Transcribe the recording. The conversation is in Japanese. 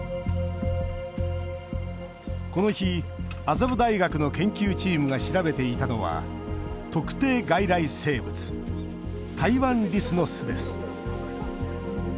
この日、麻布大学の研究チームが調べていたのは特定外来生物タイワンリスの巣です。